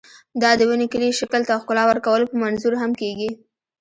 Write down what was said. دا د ونې کلي شکل ته ښکلا ورکولو په منظور هم کېږي.